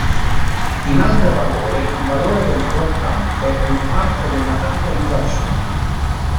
In altre parole, il valore del flottante è una parte della capitalizzazione.